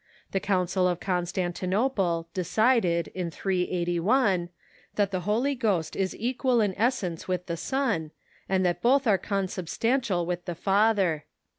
The Council of Constantinople DE!eIgem!e decided, in 381, that the Holy Ghost is equal in es sence with the Son, and that both are consubstantial with the Father.